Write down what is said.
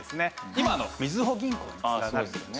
今のみずほ銀行に繋がるんですね。